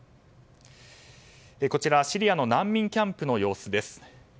こちらシリアの難民キャンプの様子です。